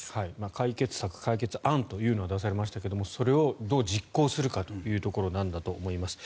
解決策、解決案というのは出されましたがそれをどう実行するかというところなんだと思います。